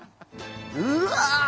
うわ！